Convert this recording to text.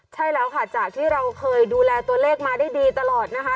ใช่แล้วค่ะจากที่เราเคยดูแลตัวเลขมาได้ดีตลอดนะคะ